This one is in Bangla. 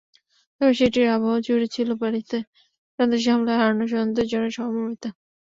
তবে সেটির আবহজুড়ে ছিল প্যারিসে সন্ত্রাসী হামলায় হারানো স্বজনদের জন্য সহমর্মিতা।